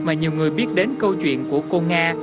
mà nhiều người biết đến câu chuyện của cô nga